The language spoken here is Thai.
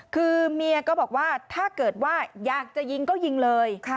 คือเมียก็บอกว่าถ้าเกิดว่าอยากจะยิงก็ยิงเลย